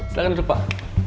silahkan duduk pak